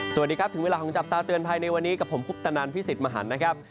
สวัสดีครับถึงเวลาของจับตาเตือนภัยในวันนี้กับผมคุปตนันพี่สิทธิ์มหันนะครับ